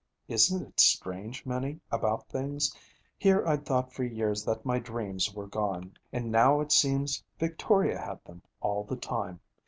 Isn't it strange, Minnie, about things? Here I'd thought for years that my dreams were gone. And now it seems Victoria had them, all the time.